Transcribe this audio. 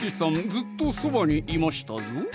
ずっとそばにいましたぞ！